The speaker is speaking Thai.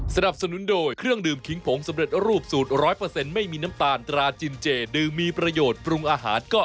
สนับสนุนโดยเครื่องดื่มขิงผงสำเร็จรูปสูตร๑๐๐ไม่มีน้ำตาลตราจินเจดื่มมีประโยชน์ปรุงอาหารก็